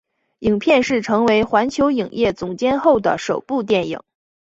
影片是成为环球影业总监后的首部电影。